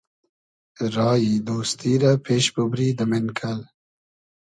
رایی دۉستی رۂ پېش بوبری دۂ مېنکئل